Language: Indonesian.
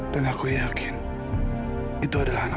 dan aku yakin itu adalah anak aku